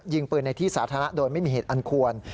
ยิงปืนในที่สาธารณะโดยไม่มีเหตุอันควร